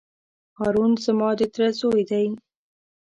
هارون زما د تره زوی دی.